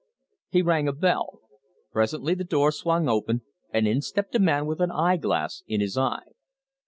He rang a bell. Presently the door swung open and in stepped a man with an eyeglass in his eye.